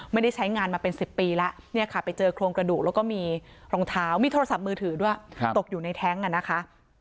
ไม่ได้ใช้งานมาเป็น๑๐ปีแล้วเนี่ยค่ะไปเจอโครงกระดูกแล้วก็มีรองเท้ามีโทรศัพท์มือถือด้วยตกอยู่ในแท้งอ่ะนะคะ